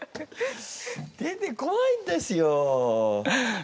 出てこないんですよ。